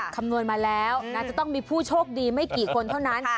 คำนวณมาแล้วน่าจะต้องมีผู้โชคดีไม่กี่คนเท่านั้น